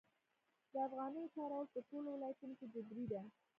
د افغانیو کارول په ټولو ولایتونو کې جبري دي؟